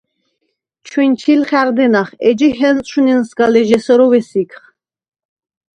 ჩვინჩვილ ხა̈რდენახ, ეჯი ჰენწშვ ნენსგალეჟ’ესეროვ ესიგხ.